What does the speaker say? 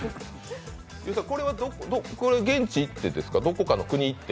これは現地に行ってですか、どこかの国へ行って？